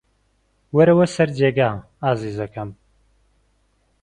وەرەوە سەر جێگا، ئازیزەکەم.